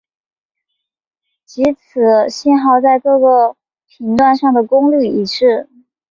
即此信号在各个频段上的功率一致。